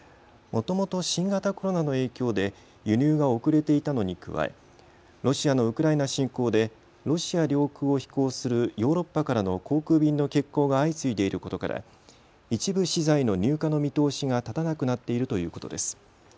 もともと新型コロナの影響で輸入が遅れていたのに加えロシアのウクライナ侵攻でロシア領空を飛行するヨーロッパからの航空便の欠航が相次いでいることから一部資材の入荷の見通しが立たなくなっているということです。